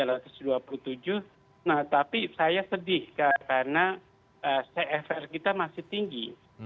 nah tapi saya sedih karena cfr kita masih tinggi